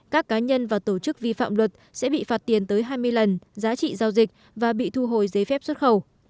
các cá nhân và tổ chức vi phạm luật sẽ bị phạt tiền tới hai mươi lần giá trị giao dịch và bị thu hồi giấy phép xuất khẩu